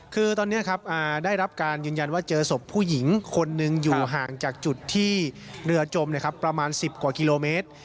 คือตอนนี้ครับได้รับการยืนยันว่าเจอศพผู้หญิงคนหนึ่งอยู่ห่างจากจุดที่เรือจมประมาณ๑๐กว่ากิโลเมตร